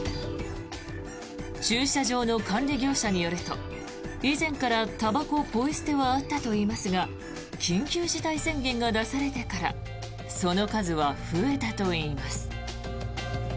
駐車場の管理業者によると以前からたばこポイ捨てはあったといいますが緊急事態宣言が出されてからその数は増えたといいます。